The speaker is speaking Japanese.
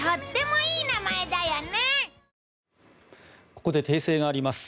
ここで訂正があります。